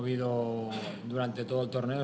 tapi saya rasa kita bergerak